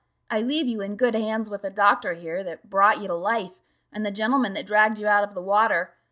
I leave you in good hands with the doctor here, that brought you to life, and the gentleman that dragged you out of the water.